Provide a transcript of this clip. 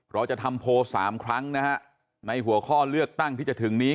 เราจะทำโพล๓ครั้งนะฮะในหัวข้อเลือกตั้งที่จะถึงนี้